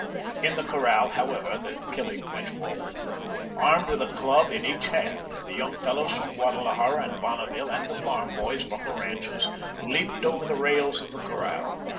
In the corral, however, the killing went forward. Armed with a club in each hand, the young fellows from Guadalajara and Bonneville, and the farm boys from the ranches, leaped over the rails of the corral.